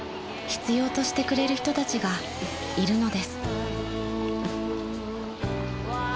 必要としてくれる人たちがいるのです］